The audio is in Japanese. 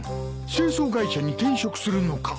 清掃会社に転職するのか？